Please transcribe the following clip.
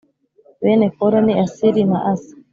Bene Kora ni Asiri na asa